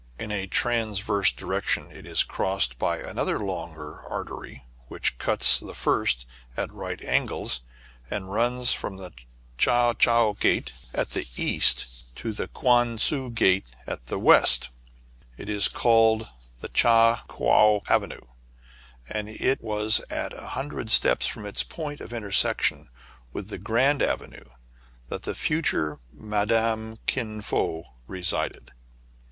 In a transverse direction it is crossed by another longer artery, which cuts the first at a right angle, and runs from the Cha Çoua Gate 2\ IS6 TRIBULATIONS OF A CHINAMAN. the east to the Couan Tsu Gate at the west. It is called Cha Coua Avenue ; and it was at a hun dred steps from its point of intersection with Grand Avenue that the future Madame Kin Fo resided.